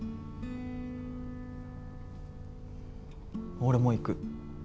俺も行く。